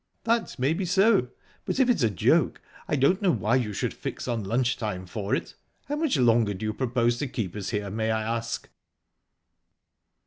"That may be so; but if it's a joke I don't know why you should fix on lunch time for it. How much longer do you propose to keep us here, may I ask?"